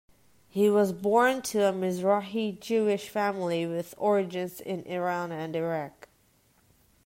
He was born to a Mizrahi Jewish family with origins in Iran and Iraq.